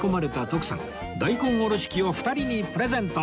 大根おろし器を２人にプレゼント